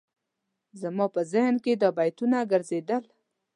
زما په ذهن کې دا بیتونه ګرځېدل.